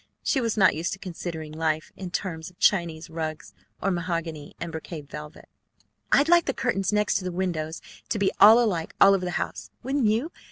She was not used to considering life in terms of Chinese rugs or mahogany and brocade velvet. "I'd like the curtains next the windows to be all alike all over the house, wouldn't you?